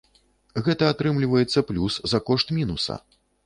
Гэта атрымліваецца плюс за кошт мінуса!